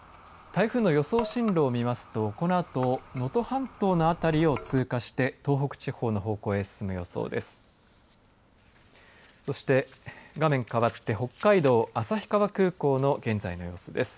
台風の予想進路を見ますとこのあと能登半島の辺りを通過して東北地方の方向に進む予想です。